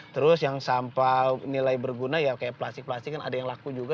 terus yang sampah nilai berguna ya kayak plastik plastik kan ada yang laku juga